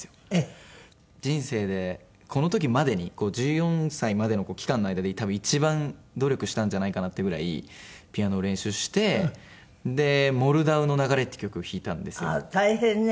人生でこの時までに１４歳までの期間の間で一番努力したんじゃないかなっていうぐらいピアノを練習して『モルダウの流れ』っていう曲を弾いたんですよ。大変ね。